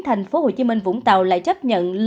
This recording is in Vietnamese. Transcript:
thành phố hồ chí minh vũng tàu lại chấp nhận